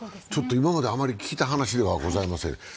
ちょっと今まであまり聞いた話ではございません。